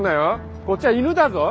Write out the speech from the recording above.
こっちゃ犬だぞ。